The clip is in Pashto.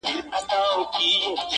خو بېرېږم کار یې خره ته دی سپارلی-